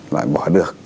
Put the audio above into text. loại bỏ được